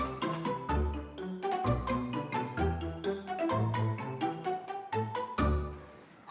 tuh si yusuf